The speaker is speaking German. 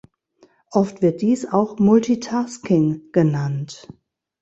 Oft wird dies auch Multitasking genannt.